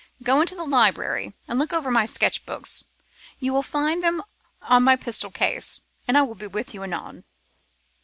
Go into the library and look over my sketch books: you will find them on my pistol case, and I will be with you anon.